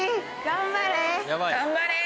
頑張れ。